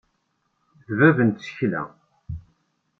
D bab n tsekla.